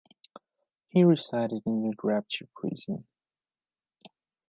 He resided in the Drapchi Prison.